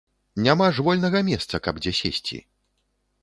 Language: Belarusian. Няма ж вольнага месца, каб дзе сесці.